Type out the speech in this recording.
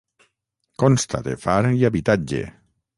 Consta de far i habitatge.